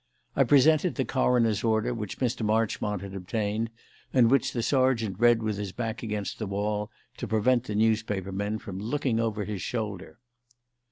I presented the coroner's order which Mr. Marchmont had obtained, and which the sergeant read with his back against the wall, to prevent the newspaper men from looking over his shoulder.